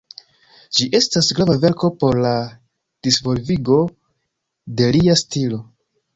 Ĝi estas grava verko por la disvolvigo de lia stilo.